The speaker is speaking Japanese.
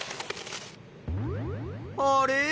あれ？